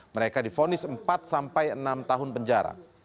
mereka difonis empat sampai enam tahun penjara